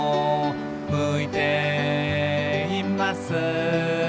「向いています」